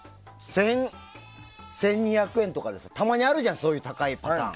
１２００円とかでさたまにあるじゃん高いパターン。